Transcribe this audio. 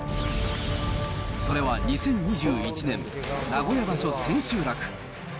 それは２０２１年名古屋場所千秋楽。